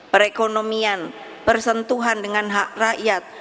perekonomian persentuhan dengan hak rakyat